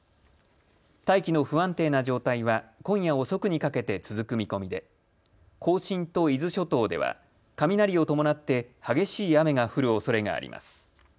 大気の不安定な状態は今夜遅くにかけて続く見込みで甲信と伊豆諸島では雷を伴って激しい雨が降るおそれがあります。